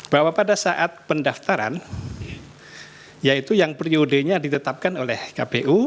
bahwa pada saat pendaftaran yaitu yang periodenya ditetapkan oleh kpu